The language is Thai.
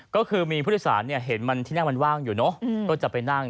ก็คือมีผู้โดยสารเห็นมันที่นั่งมันว่างอยู่เนอะก็จะไปนั่ง